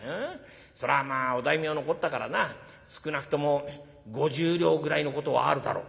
そりゃまあお大名のこったからな少なくとも５０両ぐらいのことはあるだろう」。